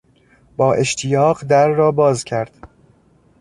با اشتیاق در را باز کرد.